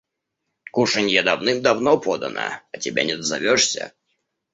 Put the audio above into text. – Кушанье давным-давно подано, а тебя не дозовешься».